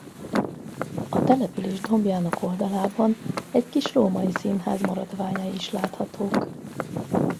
A település dombjának oldalában egy kis római színház maradványai is láthatók.